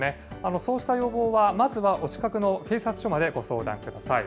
そうした要望は、まずはお近くの警察署までご相談ください。